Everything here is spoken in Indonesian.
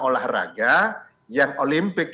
olahraga yang olimpik